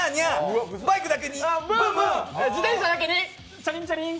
チャリンチャリン。